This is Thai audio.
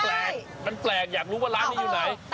แปลกมันแปลกอยากรู้ว่าร้านนี้อยู่ไหน